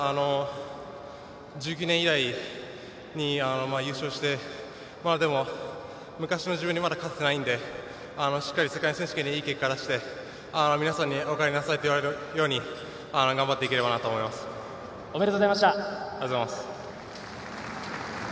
１９年以来に優勝してでも、昔の自分にまだ勝ててないのでしっかり世界選手権でいい結果出して皆さんにおかえりなさいって言われるようにおめでとうございました。